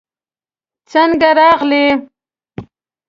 څنګه راغلې؟